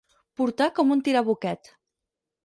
Portar com un tirabuquet.